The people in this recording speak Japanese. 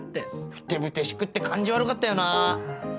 ふてぶてしくって感じ悪かったよなぁ？